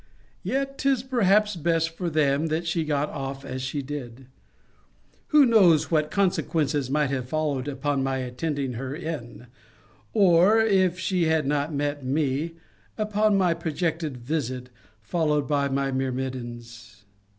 Yet 'tis perhaps best for them, that she got off as she did. Who knows what consequences might have followed upon my attending her in; or (if she had not met me) upon my projected visit, followed by my myrmidons?